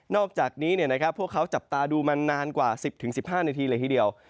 อกจากนี้พวกเขาจับตาดูมานานกว่า๑๐๑๕นาทีเลยทีเดียว